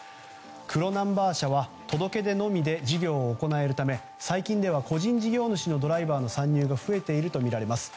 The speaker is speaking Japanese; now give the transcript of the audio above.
黒ナンバー車は届け出のみで事業を行えるため最近では個人事業主のドライバーの参入が増えているとみられます。